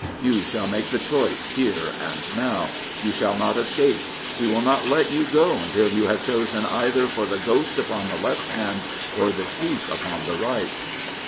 You shall make the choice here and now. You shall not escape. He will not let you go until you have chosen either for " The goats upon the left hand, or the sheep upon the right."